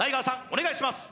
お願いします